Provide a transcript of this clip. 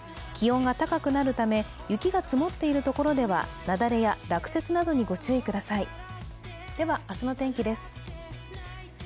気温が高くなるため、雪が積もっている所では雪崩や落雪などにご注意ください。